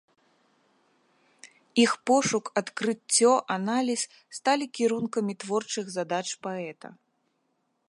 Іх пошук, адкрыццё, аналіз сталі кірункамі творчых задач паэта.